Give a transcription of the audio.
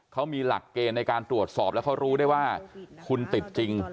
เขามีหลักเกณฑ์ในการตรวจสอบแล้วเขารู้ได้ว่าคุณติดจริง